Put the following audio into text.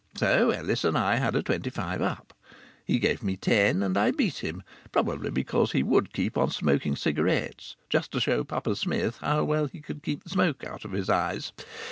So Ellis and I had a twenty five up. He gave me ten and I beat him probably because he would keep on smoking cigarettes, just to show Papa Smith how well he could keep the smoke out of his eyes.